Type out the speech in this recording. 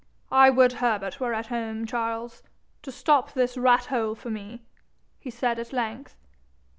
'I would Herbert were at home, Charles, to stop this rat hole for me,' he said at length.